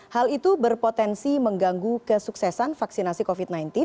hal itu berpotensi mengganggu kesuksesan vaksinasi covid sembilan belas